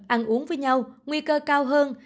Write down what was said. ăn uống với nhau nguy cơ cao hơn